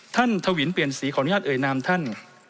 ท่านถวินเปลี่ยนสีของญาติเอ่ยนามท่าน